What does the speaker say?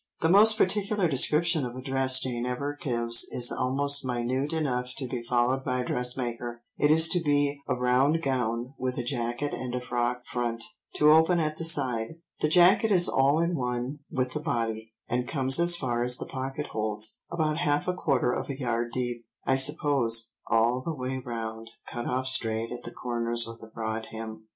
The most particular description of a dress Jane ever gives is almost minute enough to be followed by a dressmaker: "It is to be a round gown, with a jacket and a frock front, to open at the side. The jacket is all in one with the body, and comes as far as the pocket holes—about half a quarter of a yard deep, I suppose, all the way round, cut off straight at the corners with a broad hem.